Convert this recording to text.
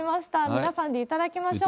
皆さんで頂きましょう。